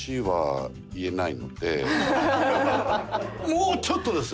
もうちょっとです。